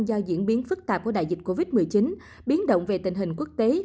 do diễn biến phức tạp của đại dịch covid một mươi chín biến động về tình hình quốc tế